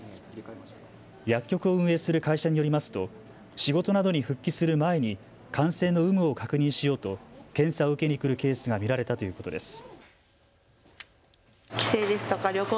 薬局を運営する会社によりますと仕事などに復帰する前に感染の有無を確認しようと検査を受けに来るケースが見られたということです。